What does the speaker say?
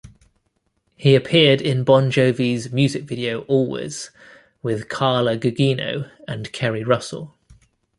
He appeared in Bon Jovi's music video "Always", with Carla Gugino and Keri Russell.